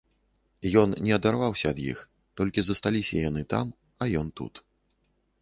Ён не адарваўся ад іх, толькі засталіся яны там, а ён тут.